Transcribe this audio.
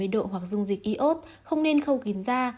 bảy mươi độ hoặc dung dịch iốt không nên khâu kín da